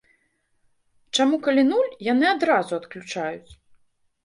Чаму, калі нуль, яны адразу адключаюць?